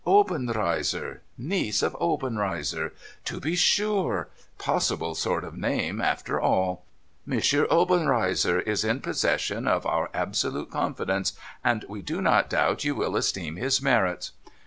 Obenreizer. Niece of Obenreizer. To be sure ! Possible sort of name, after all !" M. Obenreizer is in possession of our absolute confidence, and we do not doubt you will esteem his merits."